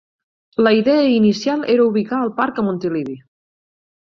La idea inicial era ubicar el Parc a Montilivi.